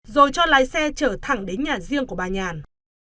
rồi cho lái xe trở thẳng đến nhà riêng của bà nhàn